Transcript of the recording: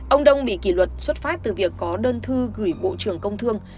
ông đông bị kỷ luật xuất phát từ việc có đơn thư gửi bộ trưởng công thương